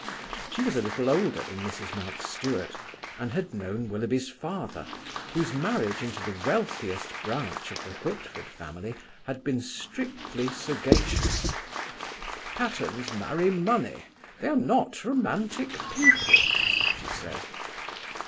She was a little older than Mrs. Mountstuart, and had known Willoughby's father, whose marriage into the wealthiest branch of the Whitford family had been strictly sagacious. "Patternes marry money; they are not romantic people," she said.